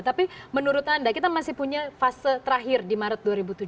tapi menurut anda kita masih punya fase terakhir di maret dua ribu tujuh belas